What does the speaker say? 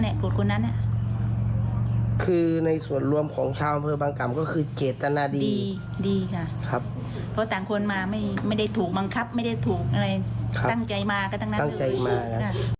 ดีค่ะเพราะต่างคนมาไม่ได้ถูกบังคับไม่ได้ถูกตั้งใจมาก็ตั้งนั้น